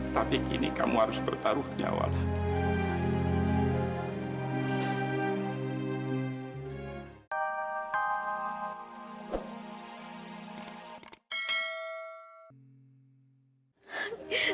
tapi kini kamu harus bertaruh nyawa lagi